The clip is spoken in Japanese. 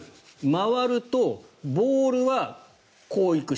回るとボールはこう行く。